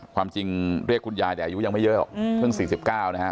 ความจริงเรียกคุณยายแต่อายุยังไม่เยอะเพิ่งสี่สิบเก้านะครับ